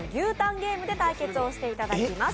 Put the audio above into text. ゲームで対決をしていただきます。